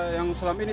yang selama ini